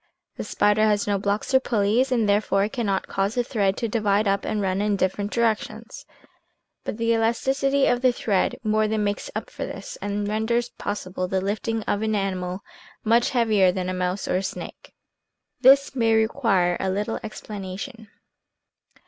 The spider has no blocks or pulleys, and, therefore, it cannot cause the thread to divide up and run in different directions, but the elasticity of the thread more than makes up for this, and renders possible the lifting of an animal much heavier than a mouse or a snake. This may require a little explanation.